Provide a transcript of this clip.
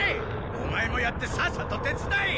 オマエもやってさっさと手伝え！